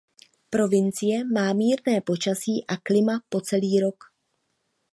Provincie má mírné počasí a klima po celý rok.